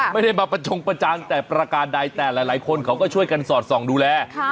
ไม่ได้มาประจงประจานแต่ประการใดแต่หลายคนเขาก็ช่วยกันสอดส่องดูแล